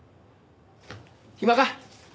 暇か？